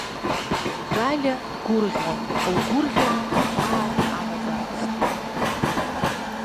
Галиа дгәырӷьон лгәырӷьара ҳәаак амаӡамызт.